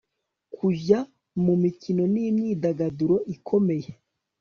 kujya mu mikino n imyidagaduro ikomeye